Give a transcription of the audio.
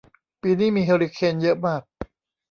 ปีนี้มีเฮอริเคนเยอะมาก